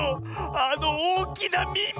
あのおおきなみみ！